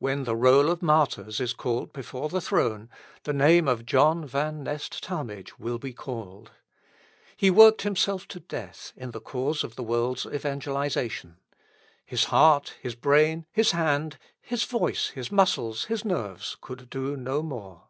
When the roll of martyrs is called before the throne, the name of John Van Nest Talmage will be called. He worked himself to death in the cause of the world's evangelisation. His heart, his brain, his hand, his voice, his muscles, his nerves could do no more.